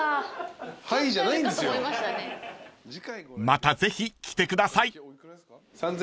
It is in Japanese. ［またぜひ来てください］